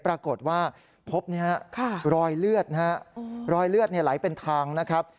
ปรากฏว่าพบรอยเลือดนะฮะรอยเลือดไหลเป็นทางนะครับ